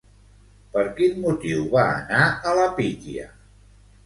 Per quin motiu va anar a la Pítia?